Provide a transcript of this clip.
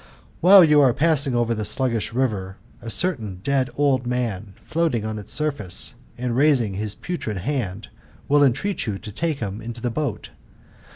While you are passing over the sluggish river, a certain dead old man, floating on its surface, and raising his putrid hand, will entreat you to take him into the boat.